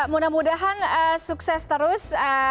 mudah mudahan sukses terus